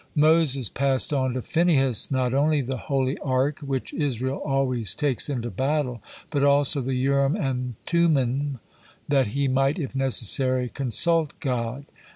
Moses passed on to Phinehas not only the Holy Ark, which Israel always takes into battle, but also the Urim and Tummim, that he might, if necessary, consult God.